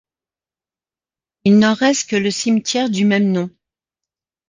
Il n'en reste que le cimetière du même nom.